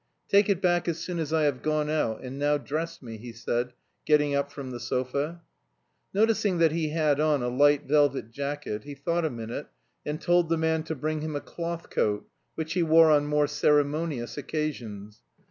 "Take it back as soon as I have gone out, and now dress me," he said, getting up from the sofa. Noticing that he had on a light velvet jacket, he thought a minute, and told the man to bring him a cloth coat, which he wore on more ceremonious occasions.